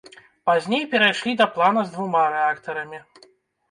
Пазней перайшлі да плана з двума рэактарамі.